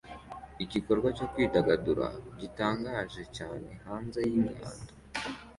Igikorwa cyo kwidagadura gitangaje cyane hanze yingando